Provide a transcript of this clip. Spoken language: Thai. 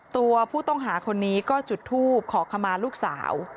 ตัวผู้ต้องหาคนนี้ก็จุดทูบขอขมาลูกสาว